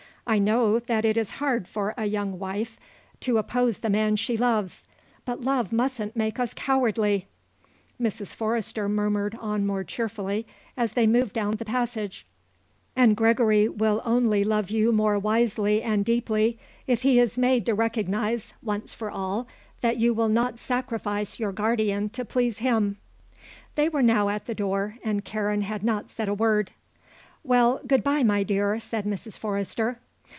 I know that it is hard for a young wife to oppose the man she loves; but love mustn't make us cowardly," Mrs. Forrester murmured on more cheerfully as they moved down the passage, "and Gregory will only love you more wisely and deeply if he is made to recognize, once for all, that you will not sacrifice your guardian to please him." They were now at the door and Karen had not said a word. "Well, good bye, my dear," said Mrs. Forrester.